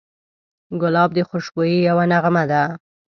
ګلاب د خوشبویۍ یوه نغمه ده.